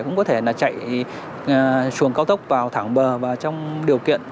cũng có thể là chạy xuồng cao tốc vào thẳng bờ và trong điều kiện